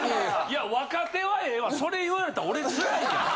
いや若手はええわそれ言われた俺つらいやん。